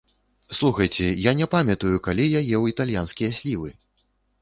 Слухайце, я не памятаю, калі я еў італьянскія слівы!